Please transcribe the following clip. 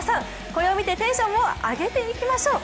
これを見てテンションを上げていきましょう！